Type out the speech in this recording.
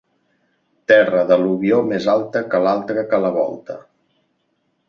Terra d'al·luvió més alta que l'altra que la volta.